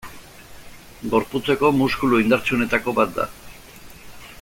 Gorputzeko muskulu indartsuenetako bat da.